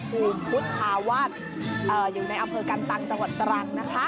คุณพุทธภาวัฒน์อยู่ในอัพเภอร์กันตังจังหวัดตรังนะคะ